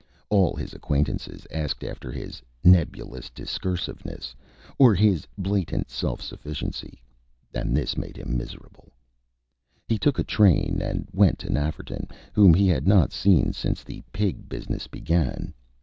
All his acquaintances asked after his "nebulous discursiveness" or his "blatant self sufficiency," and this made him miserable. He took a train and went to Nafferton, whom he had not seen since the Pig business began.